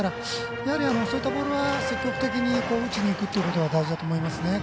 そういったボールは積極的に打ちにいくということが大事だと思います。